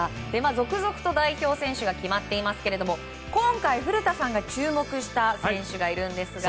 続々と代表選手が決まってますが今回、古田さんが注目した選手がいるんですが。